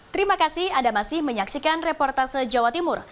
terima kasih anda masih menyaksikan reportase jawa timur